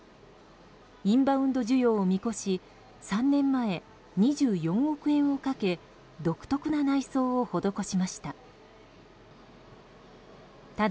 インバウンド需要を見越し３年前、２４億円をかけ独特な内装を施しました。